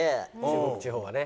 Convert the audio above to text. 中国地方はね。